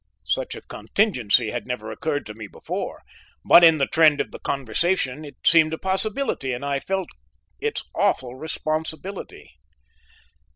Such a contingency had never occurred to me before, but in the trend of the conversation it seemed a possibility, and I felt its awful responsibility.